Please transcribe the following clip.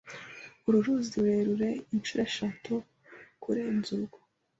Uru ruzi rurerure inshuro eshatu kurenza urwo.